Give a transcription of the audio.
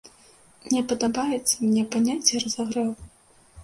Не падабаецца мне паняцце разагрэў.